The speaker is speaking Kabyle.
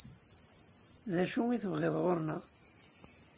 D acu i tebɣiḍ ɣur-neɣ?